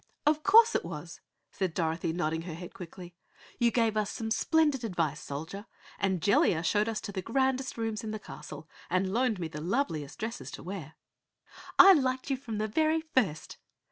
"Of course it was," said Dorothy nodding her head quickly. "You gave us some splendid advice, Soldier, and Jellia showed us to the grandest rooms in the castle and loaned me the loveliest dresses to wear." "I liked you from the very first!"